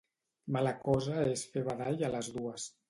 Mala cosa és fer badall a les dues.